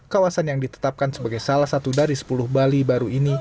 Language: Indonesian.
kawasan yang ditetapkan sebagai salah satu dari sepuluh bali baru ini